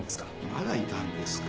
まだいたんですか